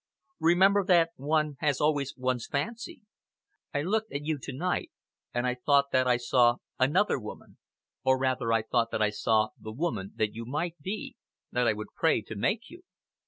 Remember that one has always one's fancy. I looked at you to night, and I thought that I saw another woman or rather I thought that I saw the woman that you might be, that I would pray to make you.